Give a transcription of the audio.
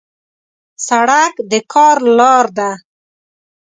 سړک د کار لار ده.